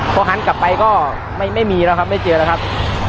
พอหันกลับไปก็ไม่มีแล้วครับไม่เจอแล้วครับ